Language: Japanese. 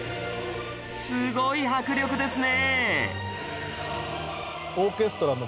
すごい迫力ですね！